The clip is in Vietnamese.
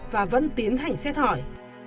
và vẫn tiến hành xét hỏi